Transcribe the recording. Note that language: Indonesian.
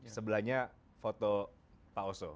sebelahnya foto pak oso